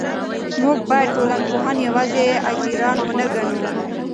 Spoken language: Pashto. موږ باید ټولنپوهان یوازې اجیران ونه ګڼو.